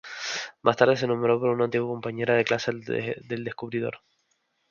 Más tarde se nombró por una antigua compañera de clase del descubridor.